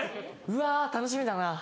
うわ楽しみだな。